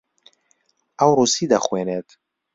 ئەو ڕووسی دەخوێنێت.